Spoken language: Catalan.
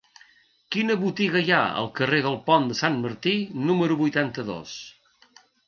Quina botiga hi ha al carrer del Pont de Sant Martí número vuitanta-dos?